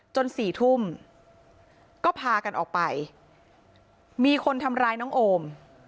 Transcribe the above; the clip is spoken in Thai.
สี่ทุ่มก็พากันออกไปมีคนทำร้ายน้องโอม